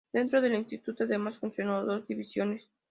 Dentro del Instituto, además, funcionan dos "Divisiones".